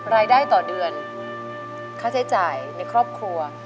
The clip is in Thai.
รายได้ต่อเดือนค่าใช้จ่ายในครอบครัว